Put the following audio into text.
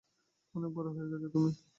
অনেক বড় হয়ে গেছো তুমি।